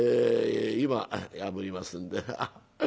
今あぶりますんで。